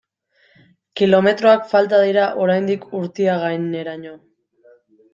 Kilometroak falta dira oraindik Urtiagaineraino.